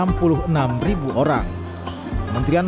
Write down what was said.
menterian agama perintah jawa tenggara berkata